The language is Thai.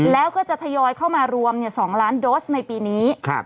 แล้วก็จะทยอยเข้ามารวม๒ล้านโดสในปีนี้